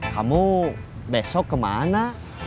kamu besok kemana